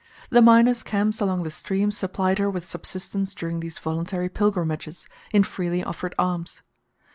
The miners' camps along the stream supplied her with subsistence during these voluntary pilgrimages, in freely offered alms.